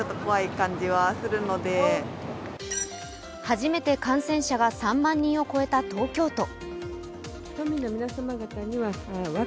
初めて感染者が３万人を超えた東京都。